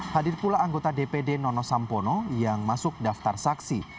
hadir pula anggota dpd nono sampono yang masuk daftar saksi